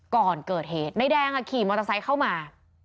ก่อนเกิดเหตุนายแดงขี่มอเตอร์ไซค์เข้ามา